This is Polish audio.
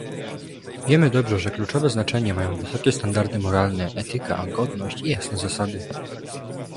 Wiemy dobrze, że kluczowe znaczenie mają wysokie standardy moralne, etyka, godność i jasne zasady